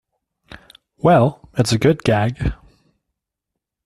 Well, it's a good gag.